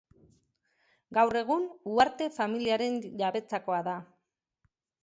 Gaur egun Huarte familiaren jabetzakoa da.